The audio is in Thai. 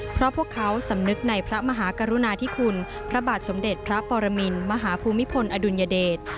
เพราะพวกเขาสำนึกในพระมหากรุณาธิคุณพระบาทสมเด็จพระปรมินมหาภูมิพลอดุลยเดช